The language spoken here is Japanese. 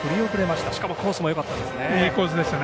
しかもコースがよかったですね。